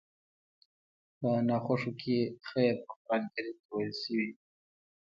په ناخوښو کې خير په قرآن کريم کې ويل شوي.